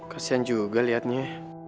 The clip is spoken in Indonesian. kasian juga liatnya